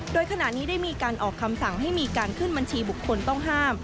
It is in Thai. โดยขณะนี้ได้มีการออกคำสั่งให้มีการขึ้นบัญชีบุคคลต้องห้าม